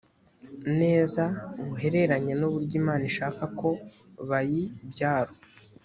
neza buhereranye n uburyo imana ishaka ko bayi byaro